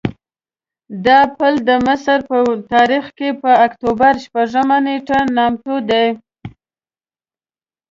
دا پل د مصر په تاریخ کې په اکتوبر شپږمه نېټه نامتو دی.